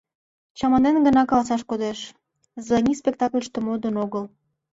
Чаманен гына каласаш кодеш — Зани спектакльыште модын огыл.